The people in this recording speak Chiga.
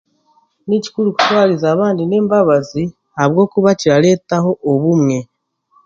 Ni kikuru kutwariza abandi n'embabazi ahabwokuba kirareetaho obumwe.